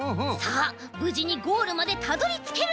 ぶじにゴールまでたどりつけるでしょうか？